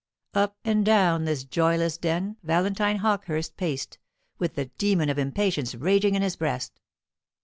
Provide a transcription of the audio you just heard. Up and down this joyless den Valentine Hawkehurst paced, with the demon of impatience raging in his breast.